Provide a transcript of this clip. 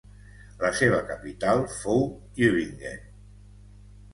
La seva capital fou Tübingen.